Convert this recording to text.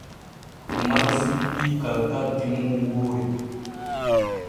Umaru sippii kalkaldi mum woori.